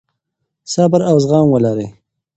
صبر او زغم ولرئ.